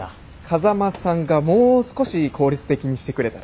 風間さんがもう少し効率的にしてくれたら。